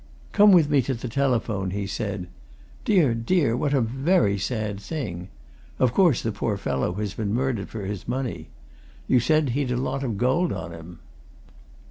"Come with me to the telephone," he said. "Dear, dear, what a very sad thing. Of course, the poor fellow has been murdered for his money? You said he'd a lot of gold on him."